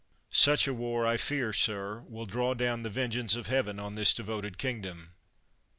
Such a war, I tear, sir, will draw down the vengeance of Heaven on this devoted kingdom.